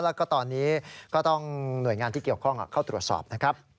แล้วก็ตอนนี้ก็ต้องหน่วยงานที่เกี่ยวข้องเข้าตรวจสอบนะครับ